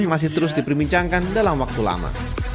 masih terus diperbincangkan dalam waktu lama